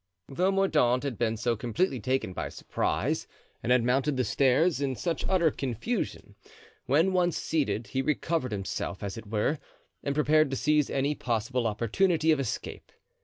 Though Mordaunt had been so completely taken by surprise and had mounted the stairs in such utter confusion, when once seated he recovered himself, as it were, and prepared to seize any possible opportunity of escape.